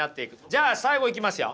じゃあ最後いきますよ。